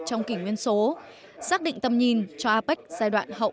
trong kỷ nguyên số xác định tầm nhìn cho apec giai đoạn hậu hai nghìn hai mươi